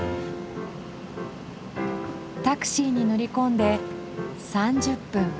タクシーに乗り込んで３０分。